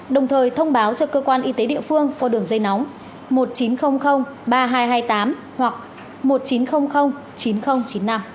đồng thời thông báo cho cơ quan y tế địa phương qua đường dây nóng một nghìn chín trăm linh ba nghìn hai trăm hai mươi tám hoặc một nghìn chín trăm linh chín nghìn chín mươi năm